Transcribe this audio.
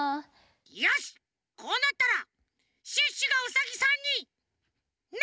よしこうなったらシュッシュがウサギさんになる！